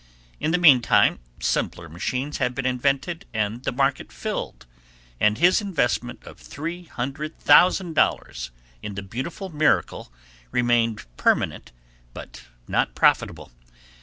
In the mean time simpler machines had been invented and the market filled, and his investment of three hundred thousand dollars in the beautiful miracle remained permanent but not profitable.